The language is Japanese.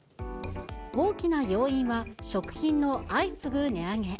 大きな要因は、食品の相次ぐ値上げ。